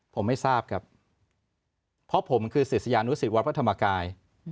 ผมไม่ทราบครับเพราะผมคือศิษยานุสิตวัดพระธรรมกาย